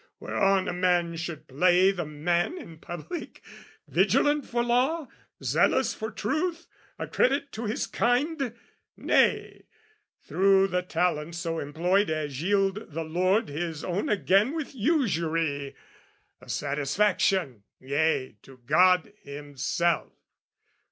whereon a man should play The man in public, vigilant for law, Zealous for truth, a credit to his kind, Nay, through the talent so employed as yield The Lord his own again with usury, A satisfaction, yea, to God Himself!